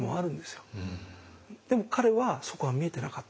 でも彼はそこは見えてなかった。